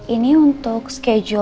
ini untuk schedule terupdate pak al